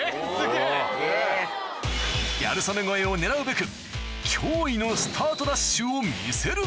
ギャル曽根超えを狙うべく驚異のスタートダッシュを見せる